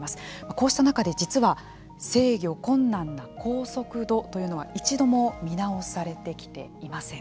こうした中で実は「制御困難な高速度」というのは一度も見直されてきていません。